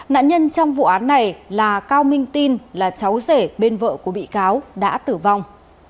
nạn nhân trong vụ án này là cao minh tin là cháu rể bên vợ của bị cáo đã tử vong